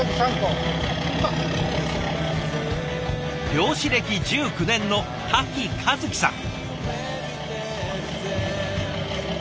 漁師歴１９年の滝和紀さん。